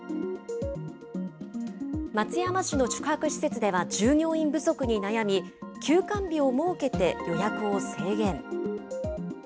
松山市の宿泊施設では、従業員不足に悩み、休館日を設けて予約を制限。